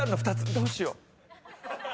どうしよう？